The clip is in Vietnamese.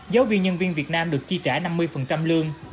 giáo viên nhân viên việt nam được chi trả năm mươi lương